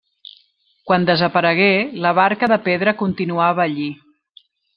Quan desaparegué, la barca de pedra continuava allí.